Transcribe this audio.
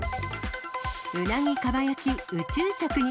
うなぎかば焼き、宇宙食に。